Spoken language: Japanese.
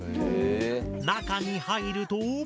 中に入ると。